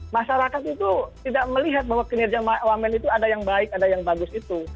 masyarakat itu tidak melihat bahwa kinerja wamen itu ada yang baik ada yang bagus itu